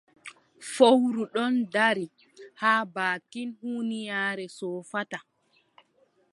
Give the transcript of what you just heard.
Fowru ɗon dari haa baakin huunyaare soofata.